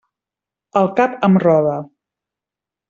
El cap em roda.